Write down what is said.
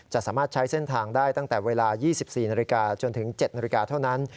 จะสามารถใช้เส้นทางได้ตั้งแต่เวลา๒๔นจนถึง๗นเท่านั้น